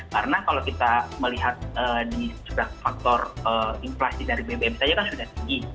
karena kalau kita melihat di seberapa faktor inflasi dari bbm saja kan sudah tinggi